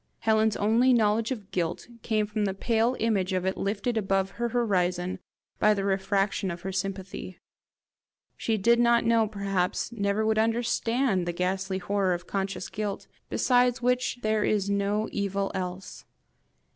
Helen's only knowledge of guilt came from the pale image of it lifted above her horizon by the refraction of her sympathy. She did not know, perhaps never would understand the ghastly horror of conscious guilt, besides which there is no evil else.